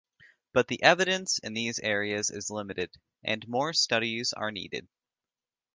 But the evidence in these areas is limited and more studies are needed.